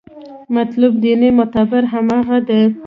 مطلوب دیني تعبیر هماغه دی.